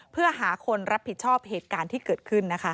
เพื่อหาคนรับผิดชอบเหตุการณ์ที่เกิดขึ้นนะคะ